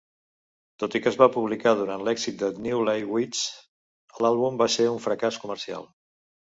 Tot i que es va publicar durant l'èxit de "Newlyweds", l'àlbum va ser un fracàs comercial.